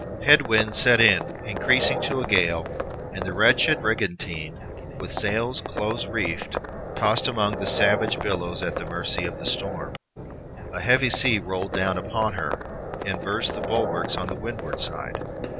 Head winds set in, increasing to a gale, and the wretched brigantine, with sails close reefed, tossed among the savage billows at the mercy of the storm. A heavy sea rolled down upon her, and burst the bulwarks on the windward side.